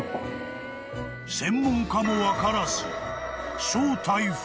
［専門家も分からず］